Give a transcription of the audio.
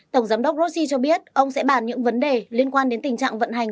tổng giám đốc grossi cho biết ông sẽ bàn những vấn đề liên quan đến tình trạng vận hành